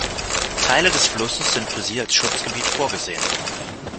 Teile des Flusses sind für sie als Schutzgebiet vorgesehen.